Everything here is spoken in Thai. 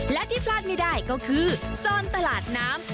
และที่พลาดไม่ได้ก็คือโซนตลาดน้ำ